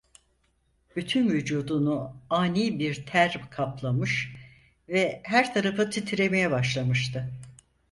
Bütün vücudunu ani bir ter kaplamış ve her tarafı titremeye başlamıştı.